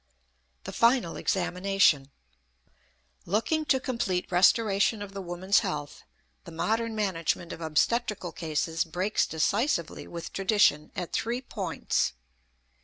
THE FINAL EXAMINATION. Looking to complete restoration of the woman's health, the modern management of obstetrical cases breaks decisively with tradition at three points.